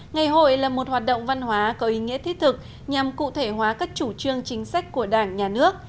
ngày hội là một hoạt động văn hóa có ý nghĩa thiết thực nhằm cụ thể hóa các chủ trương chính sách của đảng nhà nước